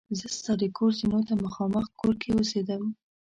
زه ستا د کور زینو ته مخامخ کور کې اوسېدم.